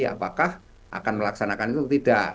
apakah akan melaksanakan itu atau tidak